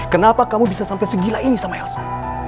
kenapa kamu bisa sampai segila ini sama elsa